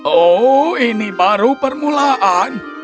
oh ini baru permulaan